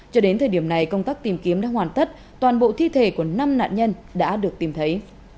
cho đến thời điểm này công tác tìm kiếm đã hoàn tất toàn bộ thi thể của năm nạn nhân đã được tìm thấy